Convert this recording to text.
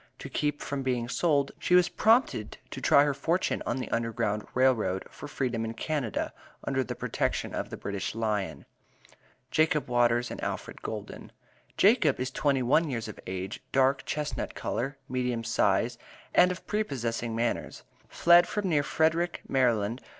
To keep from being sold, she was prompted to try her fortune on the U.G.R.R., for Freedom in Canada, under the protection of the British Lion. JACOB WATERS AND ALFRED GOULDEN. Jacob is twenty one years of age, dark chestnut color, medium size, and of prepossessing manners. Fled from near Frederick, Md.